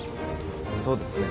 そうですね。